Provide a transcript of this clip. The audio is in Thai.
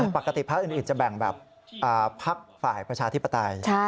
ปกติพระอุณหิตจะแบ่งแบบภักดิ์ฝ่ายประชาธิปไตย